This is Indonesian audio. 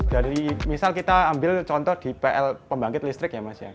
dari misal kita ambil contoh di pl pembangkit listrik ya mas ya